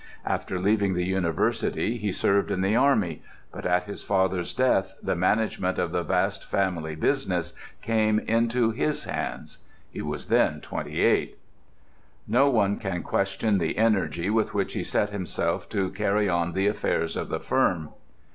After leaving the university he served in the army, but at his father's death the management of the vast family business came into his hands. He was then twenty eight. No one can question the energy with which he set himself to carry on the affairs of the firm.